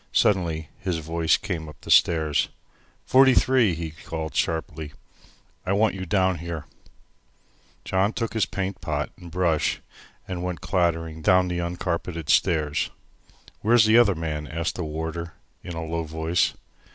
Suddenly his voice came up the stairs. "Forty three," he called sharply, "I want you down here." John took his paint pot and brush and went clattering down the uncarpeted stairs. "Where's the other man?" asked the warder, in a low voice.